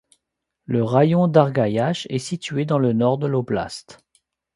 Le raïon d'Argaïach est situé dans le nord de l'oblast.